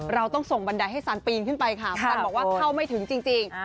เราต้องส่งบันไดให้ซันปีนขึ้นไปค่ะซันบอกว่าเข้าไม่ถึงจริง